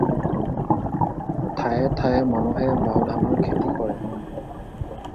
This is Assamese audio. ঠায়ে ঠায়ে মানুহে বাওধানৰ খেতি কৰে।